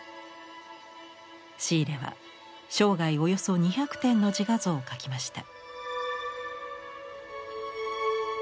シーレは生涯およそ２００点の自画像を描きました。